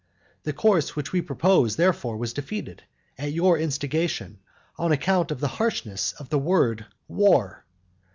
The course which we proposed therefore was defeated, at your instigation, on account of the harshness of the word war.